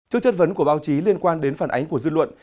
trước chất vấn của báo chí liên quan đến phản ánh của dư luận